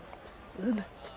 うむ。